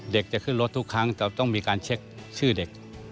จะขึ้นรถทุกครั้งเราต้องมีการเช็คชื่อเด็ก